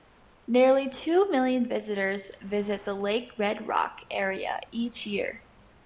Nearly two million visitors visit the Lake Red Rock area each year.